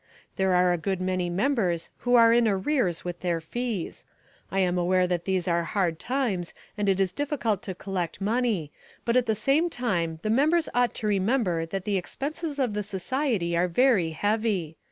There are a good many members who are in arrears with their fees. I am aware that these are hard times and it is difficult to collect money but at the same time the members ought to remember that the expenses of the society are very heavy.